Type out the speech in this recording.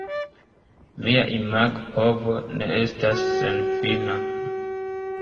Mia imagpovo ne estas senfina.